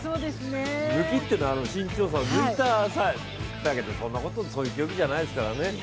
抜きっていうのは身長差を抜いただけどそういう競技じゃないですけどね。